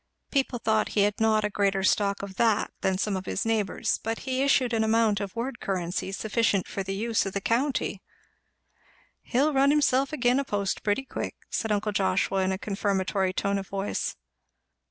People thought he had not a greater stock of that than some of his neighbours; but he issued an amount of word currency sufficient for the use of the county. "He'll run himself agin a post pretty quick," said uncle Joshua in a confirmatory tone of voice.